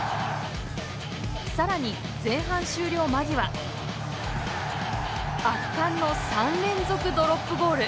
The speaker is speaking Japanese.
さらに前半終了間際圧巻の３連続ドロップゴール。